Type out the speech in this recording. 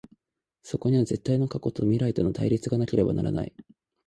そこには絶対の過去と未来との対立がなければならない。